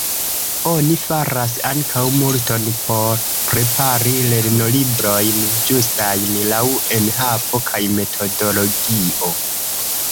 Oni faras ankaŭ multon por prepari lernolibrojn ĝustajn laŭ enhavo kaj metodologio.